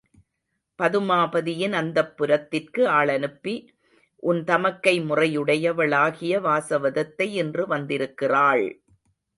பதுமாபதியின் அந்தப்புரத்திற்கு ஆளனுப்பி, உன் தமக்கை முறையுடையவளாகிய வாசவதத்தை இன்று வந்திருக்கிறாள்!